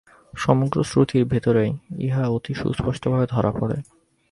সমগ্র শ্রুতির ভিতরেই ইহা অতি সুস্পষ্টভাবে ধরা পড়ে।